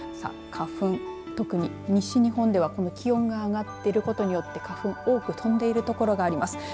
花粉、特に西日本では気温が上がっていることによって花粉が多くとんでいる所が見られます。